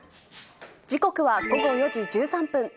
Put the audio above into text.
時刻は午後４時１３分。